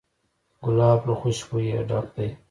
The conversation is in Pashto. ګلاب له خوشبویۍ ډک دی.